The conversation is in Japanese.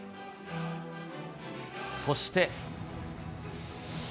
そして。